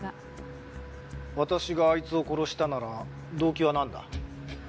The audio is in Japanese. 私があいつを殺したなら動機はなんだ？